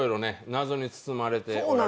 謎に包まれております